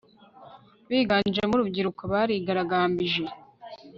biganjemo urubyiruko barigaragambije